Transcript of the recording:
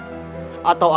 kenapa ibu nahnya diam saja